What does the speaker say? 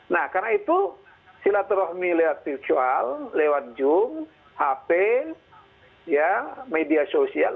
nah karena itu silaturahmi lewat virtual lewat zoom hp ya media sosial